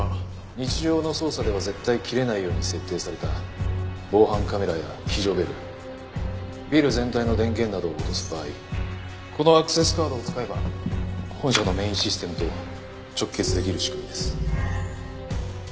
日常の操作では絶対切れないように設定された防犯カメラや非常ベルビル全体の電源などを落とす場合このアクセスカードを使えば本社のメインシステムと直結出来る仕組みです。